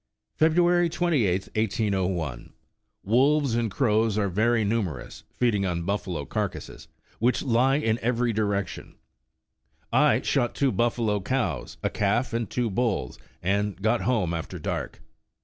''February 28th, 1801. Wolves and crows are very numerous, feeding on buffalo carcasses which lie in every direction. I shot two buffalo cows, a calf, and two bulls, and got home after dark.